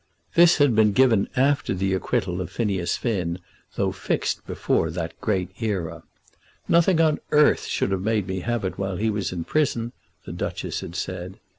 This had been given after the acquittal of Phineas Finn, though fixed before that great era. "Nothing on earth should have made me have it while he was in prison," the Duchess had said.